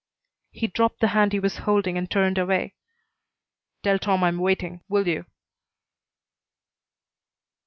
He dropped the hand he was holding and turned away. "Tell Tom I'm waiting, will you?"